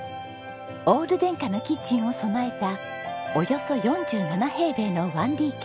オール電化のキッチンを備えたおよそ４７平米の１ＤＫ。